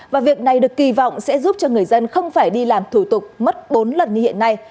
và việc này được kỳ vọng sẽ giúp cho người dân không phải đi làm thủ tục mất bốn lần như hiện nay